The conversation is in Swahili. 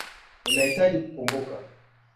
Ninahitaji kukumbuka